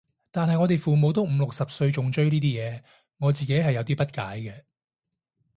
但係我哋父母都五六十歲仲追呢啲嘢，我自己係有啲不解嘅